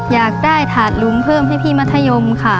อยากได้ถาดหลุมเพิ่มให้พี่มัธยมค่ะ